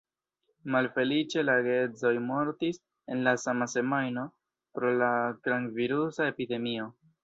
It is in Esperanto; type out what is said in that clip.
Malfeliĉe, la geedzoj mortis en la sama semajno pro la kronvirusa epidemio.